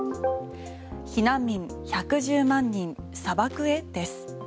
避難民１１０万人砂漠へです。